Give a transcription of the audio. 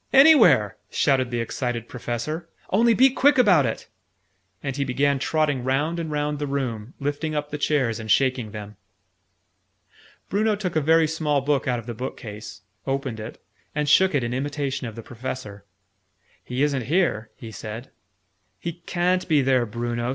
"Anywhere!" shouted the excited Professor. "Only be quick about it!" And he began trotting round and round the room, lifting up the chairs, and shaking them. Bruno took a very small book out of the bookcase, opened it, and shook it in imitation of the Professor. "He isn't here," he said. "He ca'n't be there, Bruno!"